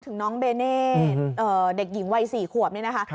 น้องเบเน่เด็กหญิงวัย๔ขวบนี่นะคะ